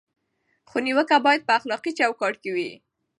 خو نیوکه باید په اخلاقي چوکاټ کې وي.